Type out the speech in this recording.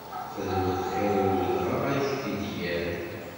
Xdem lxiṛ i udɣaɣ, ad k-t-id-yerr!